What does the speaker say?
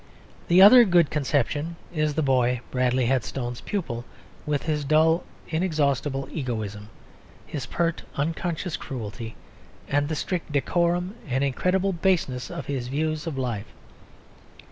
The other good conception is the boy, Bradley Headstone's pupil, with his dull, inexhaustible egoism, his pert, unconscious cruelty, and the strict decorum and incredible baseness of his views of life.